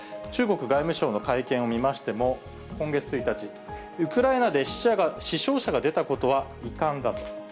中国外務省の会見を見ましても、今月１日、ウクライナで死傷者が出たことは遺憾だと。